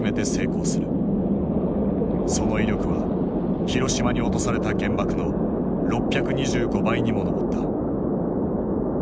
その威力は広島に落とされた原爆の６２５倍にも上った。